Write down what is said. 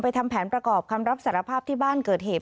ทำแผนประกอบคำรับสารภาพที่บ้านเกิดเหตุ